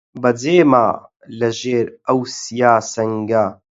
بەجێ ما لە ژێر ئەو سیا سەنگا